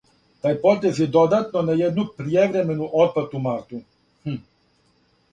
Тај потез је додатно на једну пријевремену отплату у марту.